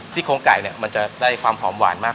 สิ้นเขิงไก่มันจะได้ความหอมหวานมาก